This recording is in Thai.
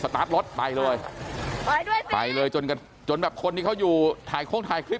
สตาร์ทรถไปเลยไปเลยจนแบบคนนี้เขาอยู่ถ่ายโค้งถ่ายคลิป